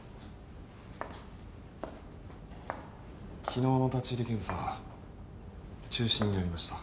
昨日の立入検査中止になりました。